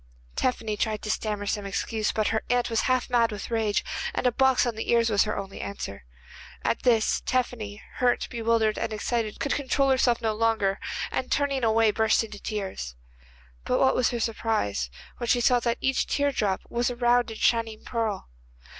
Tephany tried to stammer some excuse, but her aunt was half mad with rage, and a box on the ears was her only answer. At this Tephany, hurt, bewildered and excited, could control herself no longer, and turning away burst into tears. But what was her surprise when she saw that each tear drop was a round and shining pearl.